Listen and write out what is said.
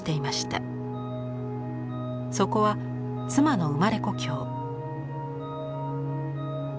そこは妻の生まれ故郷。